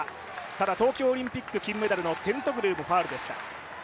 ただ、東京オリンピック金メダルのテントグルもファウルでした。